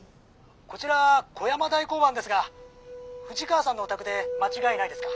☎こちら小山台交番ですが藤川さんのお宅で間違いないですか？